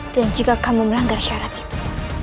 dan jika kamu melanggar syarat itu